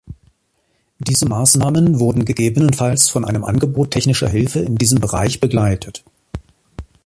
Diese Maßnahmen wurden gegebenenfalls von einem Angebot technischer Hilfe in diesem Bereich begleitet.